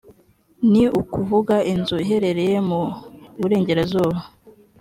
ni ukuvuga inzu iherereye mu burengerazuba